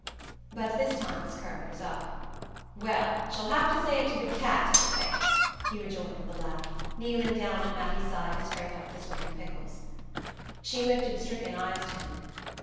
But this time his courage was up. "Well, she'll have to say it to the cat, any way!" he rejoined with a laugh, kneeling down at Mattie's side to scrape up the swimming pickles. She lifted stricken eyes to him.